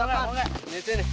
udah pakai aja deh